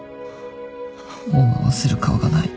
もう合わせる顔がない。